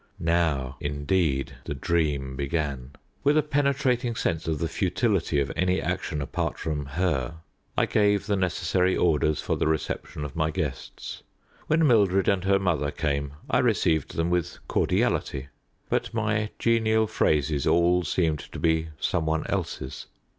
Now, indeed, the dream began. With a penetrating sense of the futility of any action apart from her, I gave the necessary orders for the reception of my guests. When Mildred and her mother came I received them with cordiality; but my genial phrases all seemed to be some one else's.